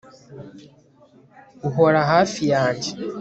uhora hafi yanjye